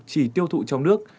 chỉ tiêu thụ trong nước